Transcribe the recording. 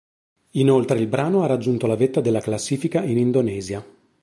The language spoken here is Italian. Inoltre il brano ha raggiunto la vetta della classifica in Indonesia.